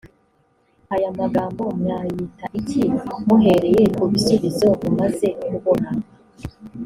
aya magambo mwayita iki muhereye ku bisubizo mumaze kubona